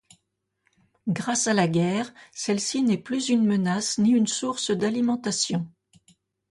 Grâce à la guerre, celle-ci n'est plus une menace ni une source d'alimentation.